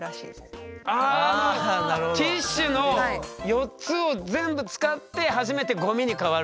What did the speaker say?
ティッシュの４つを全部使ってはじめてゴミに変わるんだ。